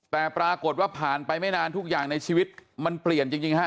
แต่ปรากฏว่าผ่านไปไม่นานทุกอย่างในชีวิตมันเปลี่ยนจริงฮะ